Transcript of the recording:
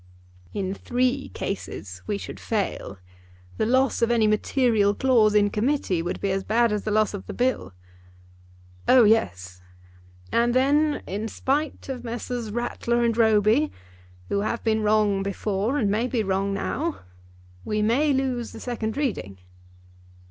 "In three cases we should fail. The loss of any material clause in Committee would be as bad as the loss of the Bill." "Oh, yes." "And then, in spite of Messrs. Rattler and Roby, who have been wrong before and may be wrong now, we may lose the second reading."